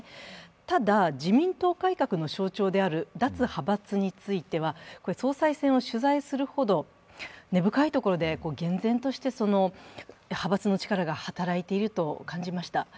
ただ、自民党改革の象徴である脱派閥については、総裁選を取材するほど根深いところで厳然と派閥の力が働いていると感じました。